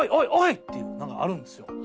っていう何かあるんですよ。